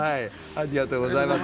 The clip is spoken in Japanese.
ありがとうございます。